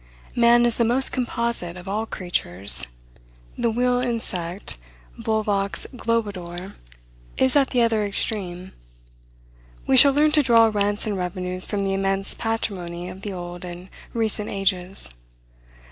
Man is the most composite of all creatures: the wheel insect, volvox globator, is at the other extreme. We shall learn to draw rents and revenues from the immense patrimony of the old and recent ages.